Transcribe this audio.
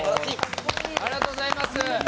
ありがとうございます！